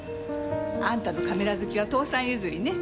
あんたのカメラ好きは父さん譲りね。